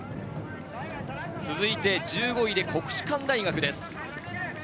続いて１５位で国士舘大学です。